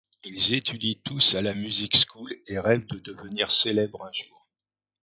Ils étudient tous à la Music School et rêvent de devenir célèbres un jour.